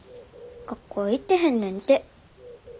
学校行ってへんねんて。